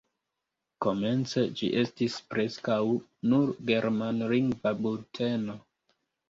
Komence ĝi estis preskaŭ nur germanlingva bulteno.